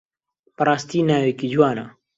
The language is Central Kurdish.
بەڕاستی ناوێکی جوانە.